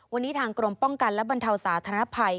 วันนี้ทางกรมป้องกันและบรรเทาสาธารณภัย